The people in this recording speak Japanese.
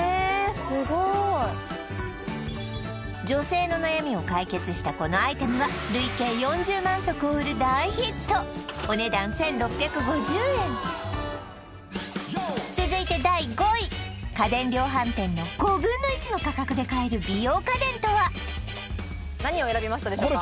すごい女性の悩みを解決したこのアイテムはお値段１６５０円続いて第５位家電量販店の５分の１の価格で買える美容家電とは何を選びましたでしょうか？